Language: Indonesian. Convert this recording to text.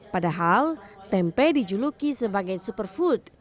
padahal tempe dijuluki sebagai superfood